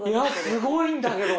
すごいんだけど。